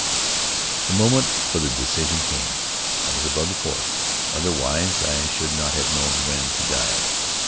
The moment for the decision came. I was above the fort, otherwise I should not have known when to dive.